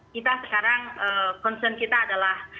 kita sekarang concern kita adalah